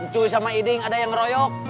cuy sama iding ada yang royok